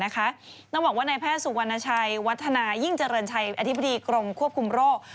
ต้องบอกว่านายแพทย์สุวรรณชัยวัฒนายิ่งเจริญชัยอธิบดีกรมควบคุมโรค